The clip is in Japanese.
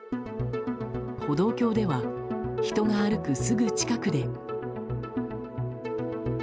歩道橋では人が歩くすぐ近くで。